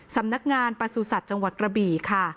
สำนักงานประสุทธิ์จังหวัดกระบี่ค่ะ